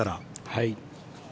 はい。